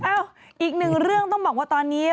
อีกหนึ่งเรื่องต้องบอกว่าตอนนี้